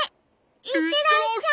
いってらっしゃい！